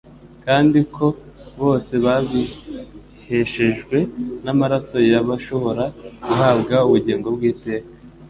kandi ko bose babiheshejwe n'amaraso ye bashobora guhabwa ubugingo bw'iteka.